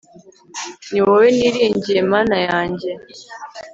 ni wowe niringiye, mana yanjye